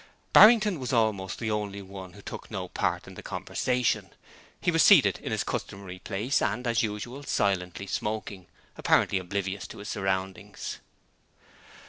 Barrington was almost the only one who took no part in the conversation. He was seated in his customary place and, as usual, silently smoking, apparently oblivious to his surroundings.